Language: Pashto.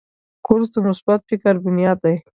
کورس د مثبت فکر بنیاد دی.